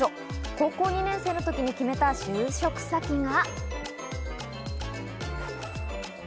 高校２年生のときに決めた就職先が。